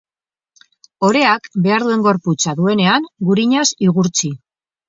Oreak behar duen gorputza duenean, gurinaz igurtzi.